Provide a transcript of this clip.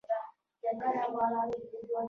حوالې دي زياتې ورکړلې خو زما يوه هم زړه ته نه لويږي.